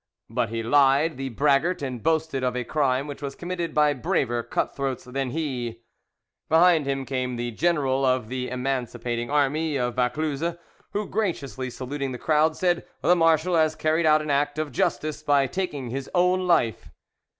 But he lied, the braggart, and boasted of a crime which was committed by braver cutthroats than he. Behind him came the general of the "Emancipating Army of Vaucluse," who, graciously saluting the crowd, said, "The marshal has carried out an act of justice by taking his own life."